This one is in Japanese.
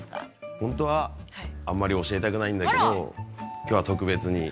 ほんとはあんまり教えたくないんだけどきょうは特別に。